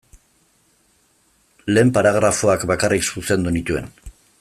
Lehen paragrafoak bakarrik zuzendu nituen.